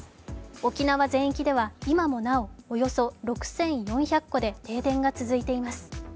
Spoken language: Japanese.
沖縄全域では今もなおおよそ６４００戸で停電が続いています。